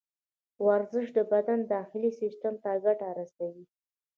ورزش د بدن داخلي سیستم ته ګټه رسوي.